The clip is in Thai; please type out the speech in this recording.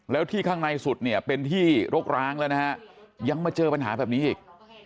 แล้วที่ข้างในสุดเนี่ยเป็นที่รกร้างแล้วนะฮะยังมาเจอปัญหาแบบนี้อีก